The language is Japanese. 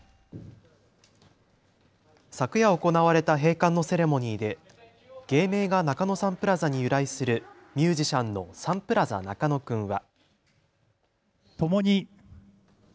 昨夜行われた閉館のセレモニーで芸名が中野サンプラザに由来するミュージシャンのサンプラザ中野くんは。